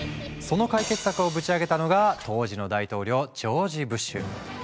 その解決策をぶち上げたのが当時の大統領ジョージ・ブッシュ。